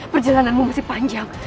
perjalananmu masih panjang